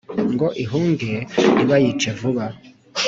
ngo ihunge ntibayice vuba